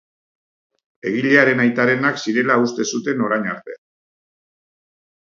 Egilearen aitarenak zirela uste zuten orain arte.